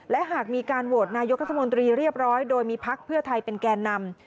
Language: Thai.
และหากมีการโหวตนายกรัฐมนตรีเรียบร้อยโดยมีพักเพื่อไทยเป็นแก่นำ